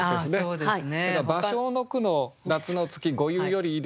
そうですね。